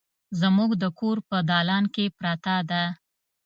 زموږ د کور په دالان کې پرته ده